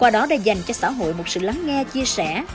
nó đã dành cho xã hội một sự lắng nghe chia sẻ